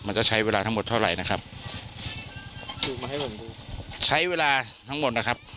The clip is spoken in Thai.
จะใช้เวลาทั้งหมดเท่าไหร่นะครับคือมาให้ผมดูใช้เวลาทั้งหมดนะครับ